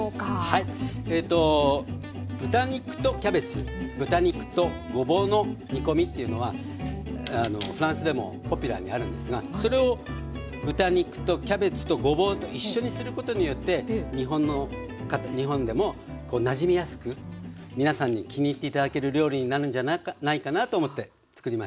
はい豚肉とキャベツ豚肉とごぼうの煮込みっていうのはフランスでもポピュラーにあるんですがそれを豚肉とキャベツとごぼうと一緒にすることによって日本でもなじみやすく皆さんに気に入って頂ける料理になるんじゃないかなと思ってつくりました。